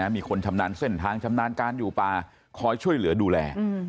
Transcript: มีคนชำนาญเส้นทางชำนาญการอยู่ป่าคอยช่วยเหลือดูแล